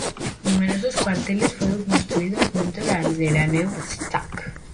Numerosos cuarteles fueron construidos dentro de la Neustadt.